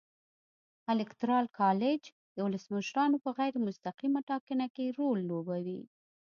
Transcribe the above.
الېکترال کالج د ولسمشرانو په غیر مستقیمه ټاکنه کې رول لوبوي.